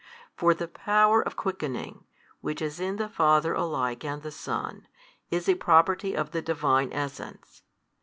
For the Power of quickening, which is in the Father alike and the Son, is a Property of the Divine Essence.